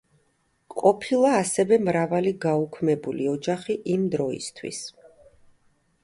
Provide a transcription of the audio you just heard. ყოფილა ასევე მრავალი გაუქმებული ოჯახი იმ დროისთვის.